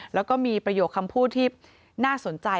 แล้วก็มีประโยคคำพูดที่น่าสนใจ